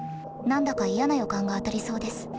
何だか嫌な予感が当たりそうです。